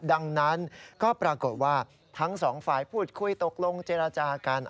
ดังนั้นก็ปรากฏว่าทั้งสองฝ่ายพูดคุยตกลงเจรจากัน